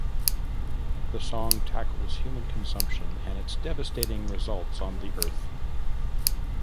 The song tackles human consumption and its devastating results on the Earth.